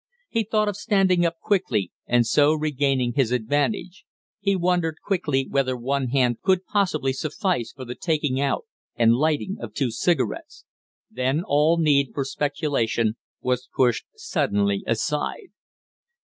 He thought of standing up suddenly and so regaining his advantage; he wondered quickly whether one hand could possibly suffice for the taking out and lighting of two cigarettes. Then all need for speculation was pushed suddenly aside.